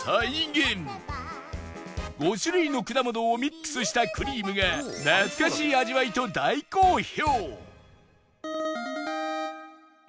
５種類の果物をミックスしたクリームが懐かしい味わいと大好評